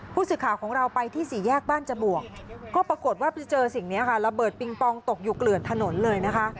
ผู้สื่อข่าวของเราไปที่สี่แยกบ้านจบวกก็ปรากฏว่าไปเจอสิ่งนี้ค่ะระเบิดปิงปองตกอยู่เกลื่อนถนนเลยนะคะ